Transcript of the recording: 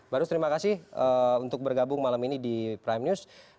baru terima kasih untuk bergabung malam ini di prime news